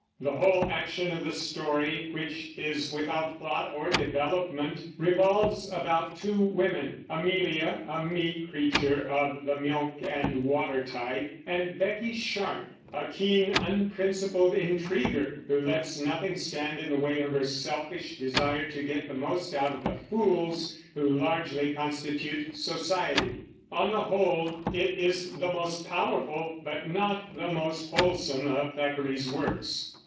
The whole action of the story, which is without plot or development, revolves about two women, Amelia, a meek creature of the milk and water type, and Becky Sharp, a keen, unprincipled intriguer, who lets nothing stand in the way of her selfish desire to get the most out of the fools who largely constitute society. On the whole, it is the most powerful but not the most wholesome of Thackeray's works.